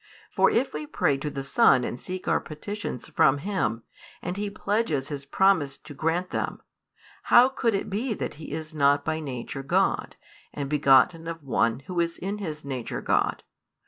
For if we pray to the Son and seek our petitions from Him, and He pledges His promise to grant them; how could it be that He is not by nature God, and begotten of One Who is in His nature God?